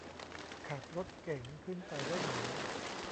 ขับรถเก๋งขึ้นไปได้ไหม